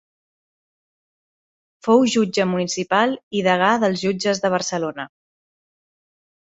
Fou jutge municipal i degà dels jutges de Barcelona.